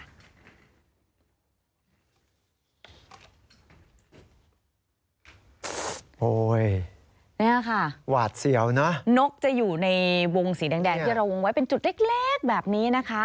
นี่ค่ะหวาดเสียวนะนกจะอยู่ในวงสีแดงที่เราวงไว้เป็นจุดเล็กแบบนี้นะคะ